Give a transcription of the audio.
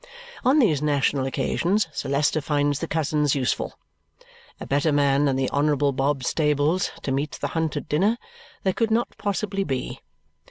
On these national occasions Sir Leicester finds the cousins useful. A better man than the Honourable Bob Stables to meet the Hunt at dinner, there could not possibly be.